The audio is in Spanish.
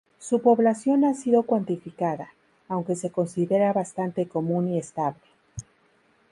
Su población no ha sido cuantificada, aunque se considera bastante común y estable.